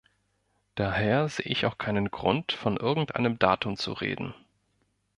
Daher sehe ich auch keinen Grund, von irgendeinem Datum zu reden.